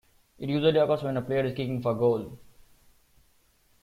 It usually occurs when a player is kicking for goal.